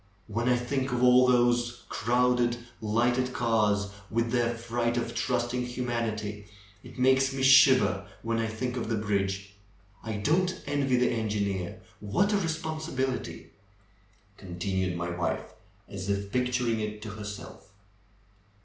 ^^When I think of all those crowded, lighted cars. THE BEND OF THE HILL 161 with their freight of trusting humanity, it makes me shiver when I think of the bridge. I don't envy the engineer. What a responsibility !" continued my wife, as if picturing it to herself.